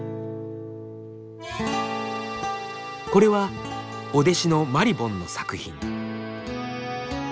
これはお弟子のまりぼんの作品。